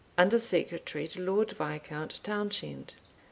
Under Secretary to Lord Viscount Townshend.